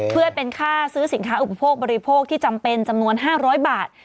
เพื่อเป็นค่าซื้อสินค้าอุปโภคบริโภคที่จำเป็นจำนวน๕๐๐บาท